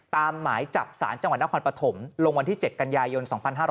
ตามหมายจับศาลจังหวัดนครพันธมลงวันที่๗กัญญายน๒๕๖๖